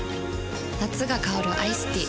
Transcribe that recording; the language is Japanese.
夏が香るアイスティー